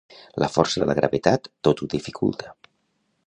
La força de la gravetat tot ho dificulta.